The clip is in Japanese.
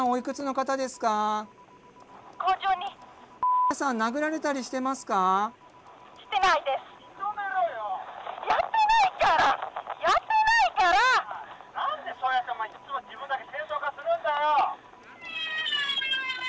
☎何でそうやってお前いつも自分だけ正当化するんだよ！